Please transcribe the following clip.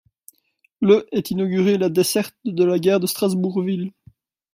Le est inaugurée la desserte de la gare de Strasbourg-Ville.